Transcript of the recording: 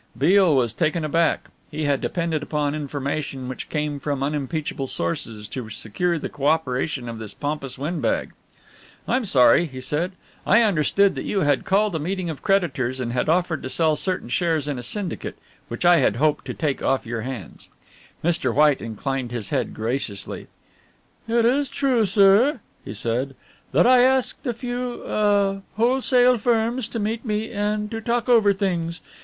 Beale was taken aback. He had depended upon information which came from unimpeachable sources to secure the co operation of this pompous windbag. "I'm sorry," he said. "I understood that you had called a meeting of creditors and had offered to sell certain shares in a syndicate which I had hoped to take off your hands." Mr. White inclined his head graciously. "It is true, sir," he said, "that I asked a few ah wholesale firms to meet me and to talk over things.